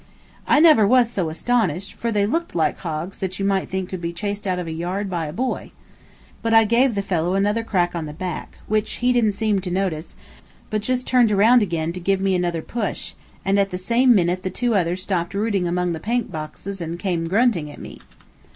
I never was so astonished, for they looked like hogs that you might think could be chased out of a yard by a boy. But I gave the fellow another crack on the back, which he didn't seem to notice, but just turned again to give me another push, and at the same minute the two others stopped rooting among the paint boxes and came grunting at me.